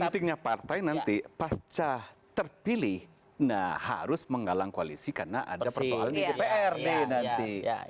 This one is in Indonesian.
pentingnya partai nanti pasca terpilih nah harus menggalang koalisi karena ada persoalan di dprd nanti